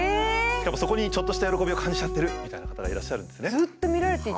しかもそこにちょっとした喜びを感じちゃってるみたいな方がいらっしゃるんですね。